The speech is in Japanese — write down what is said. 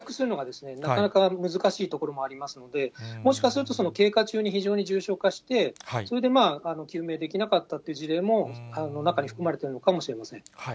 そうしますと、一度この感染症、悪くなってしまうと、リカバーするのが、回復するのがなかなか難しいところもありますので、もしかするとその経過中に非常に重症化して、それで救命できなかったという事例も中に含まれてるのかもしれません。